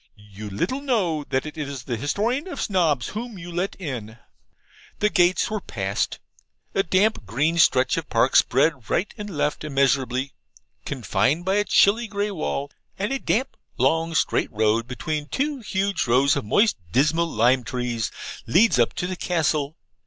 'You little know that it is the Historian of Snobs whom you let in!' The gates were passed. A damp green stretch of park spread right and left immeasurably, confined by a chilly grey wall, and a damp long straight road between two huge rows of moist, dismal lime trees, leads up to the Castle.